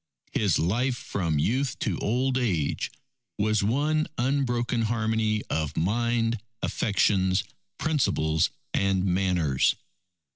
His life from youth to old age was one unbroken harmony of mind, affections, principles, and manners.